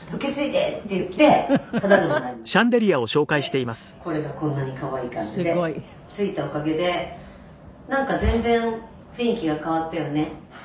「でこれがこんなに可愛い感じでついたおかげでなんか全然雰囲気が変わったよね」